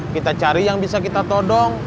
kita cari yang bisa kita todong